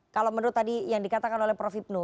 kalau menurut tadi yang dikatakan oleh prof hipnu